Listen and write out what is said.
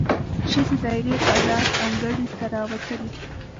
ښځې دایرې په لاس انګړ ته راووتلې،